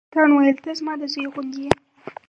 سلطان ویل ته زما د زوی غوندې یې.